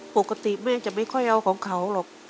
ปกติแม่จะไม่ค่อยเอาของเขาหรอก